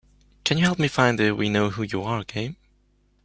Can you help me find the We No Who U R game?